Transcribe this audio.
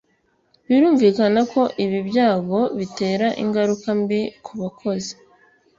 Birumvikana ko ibi byago bitera ingaruka mbi ku bakozi